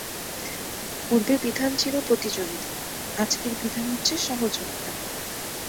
পূর্বে বিধান ছিল প্রতিযোগিতা, আজকের বিধান হচ্ছে সহযোগিতা।